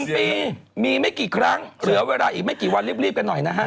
๑ปีมีไม่กี่ครั้งเหลือเวลาอีกไม่กี่วันรีบกันหน่อยนะฮะ